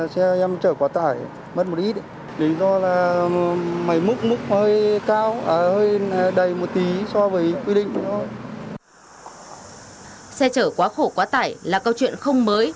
xe chở quá khổ quá tải là câu chuyện không mới